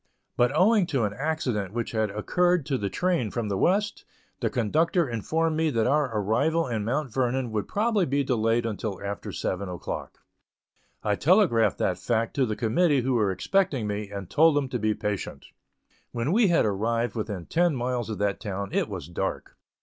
but owing to an accident which had occurred to the train from the West, the conductor informed me that our arrival in Mount Vernon would probably be delayed until after seven o'clock. I telegraphed that fact to the committee who were expecting me, and told them to be patient. When we had arrived within ten miles of that town it was dark.